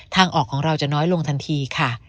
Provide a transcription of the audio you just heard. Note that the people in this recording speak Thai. ทางออกของเราจะน้อยลงทันทีค่ะ